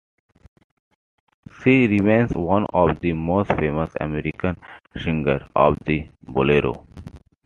She remains one of the most famous American singers of the "bolero".